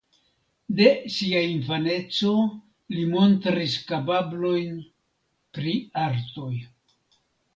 De sia infaneco li montris kapablojn pri artoj.